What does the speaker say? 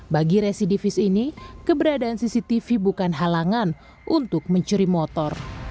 bagi residivis ini keberadaan cctv bukan halangan untuk mencuri motor